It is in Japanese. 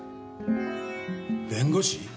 弁護士？